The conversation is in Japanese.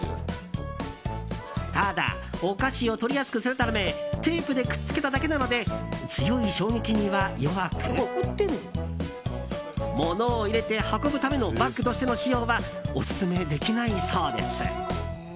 ただ、お菓子を取りやすくするためテープでくっつけただけなので強い衝撃には弱く物を入れて運ぶためのバッグとしての使用はオススメできないそうです。